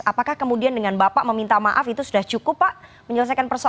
apakah kemudian dengan bapak meminta maaf itu sudah cukup pak